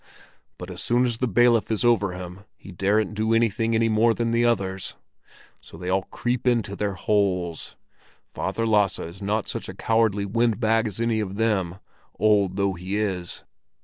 But as soon as the bailiff is over him, he daren't do anything any more than the others; so they all creep into their holes. Father Lasse is not such a cowardly wind bag as any of them, old though he is.